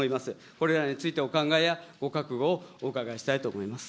これらについて、お考えやご覚悟をお伺いしたいと思います。